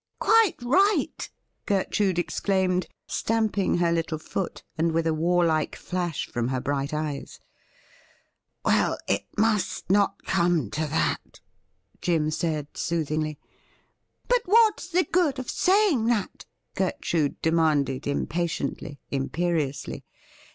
' Quite right !' Gertrude exclaimed, stamping her little foot, and with a warlike flash from her bright eyes. ,' Well, it must not come to that,' Jim said soothingly. 'But what's the good of saying that.'" Gertrude de 280 THE RIDDLE RING manded impatiently, imperiously.